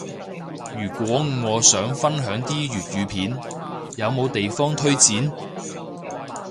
如果我想分享啲粵語片，有冇地方推薦？